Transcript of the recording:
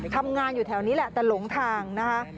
ทำงานอยู่แถวนี้แหละแต่หลงทางนะคะ